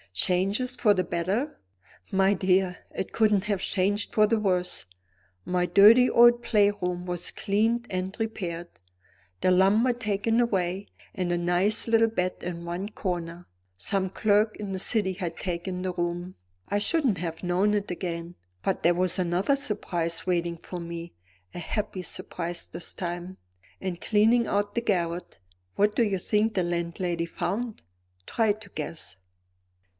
"Changes for the better?" "My dear, it couldn't have changed for the worse! My dirty old play room was cleaned and repaired; the lumber taken away, and a nice little bed in one corner. Some clerk in the City had taken the room I shouldn't have known it again. But there was another surprise waiting for me; a happy surprise this time. In cleaning out the garret, what do you think the landlady found? Try to guess."